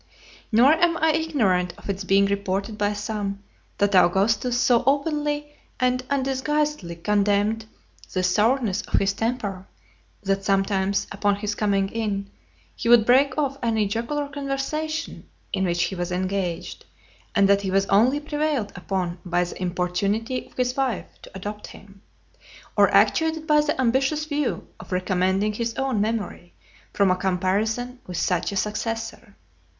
Nor am I ignorant of its being reported by some, that Augustus so openly and undisguisedly condemned the sourness of his temper, that sometimes, upon his coming in, he would break off any jocular conversation in which he was engaged; and that he was only prevailed upon by the (207) importunity of his wife to adopt him; or actuated by the ambitious view of recommending his own memory from a comparison with such a successor.